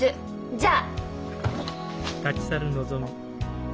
じゃあ！